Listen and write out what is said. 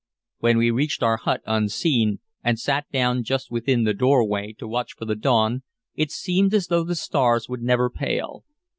When we reached our hut, unseen, and sat down just within the doorway to watch for the dawn, it seemed as though the stars would never pale.